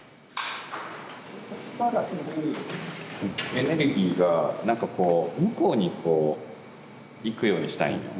エネルギーがなんかこう向こうに行くようにしたいんや。